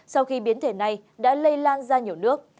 sau khi biến thể này đã lây lan ra nhiều nước